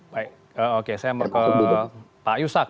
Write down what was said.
baik oke saya mau ke pak yusak